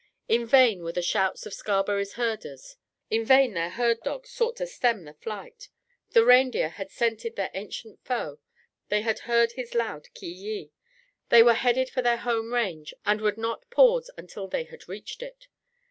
In vain were the shouts of Scarberry's herders. In vain their herd dogs sought to stem the flight. The reindeer had scented their ancient foe; they had heard his loud ki yi. They were headed for their home range, and would not pause until they had reached it.